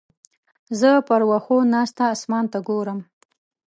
زه پر وښو ناسته اسمان ته ګورم.